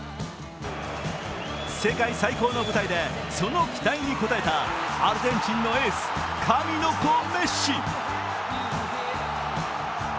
世界最高の舞台でその期待に応えたアルゼンチンのエース、神の子・メッシ。